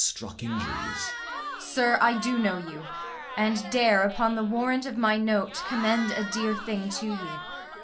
Sir, I do know you, And dare upon the warrant of my note Commend a dear thing to you.